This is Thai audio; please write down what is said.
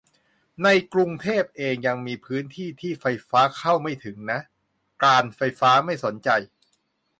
ในกรุงเทพเอง ก็ยังมีพื้นที่ที่ไฟฟ้าเข้าไม่ถึงนะ การไฟฟ้าไม่สนใจ